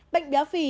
bệnh béo phì